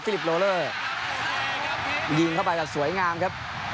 ลิปโลเลอร์ยิงเข้าไปแบบสวยงามครับ